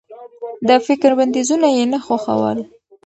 د فکر بنديزونه يې نه خوښول.